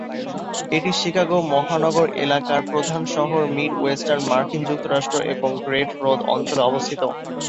এটি শিকাগো মহানগর এলাকার প্রধান শহর, মিড ওয়েস্টার্ন মার্কিন যুক্তরাষ্ট্র এবং গ্রেট হ্রদ অঞ্চলে অবস্থিত।